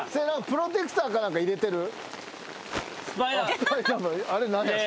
プロテクターか何か入れてる？